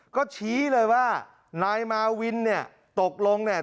ก็ชี้เลยว่านายมาวินเนี่ยตกลงเนี่ย